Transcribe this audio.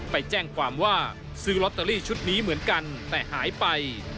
ไปแจ้งความว่าซื้อลอตเตอรี่ชุดนี้เหมือนกันแต่หายไป